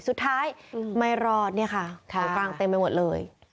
สุดท้ายไม่รอดเนี่ยค่ะของกลางเต็มไปหมดเลย